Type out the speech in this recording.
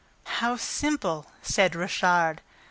"How simple!" said Richard.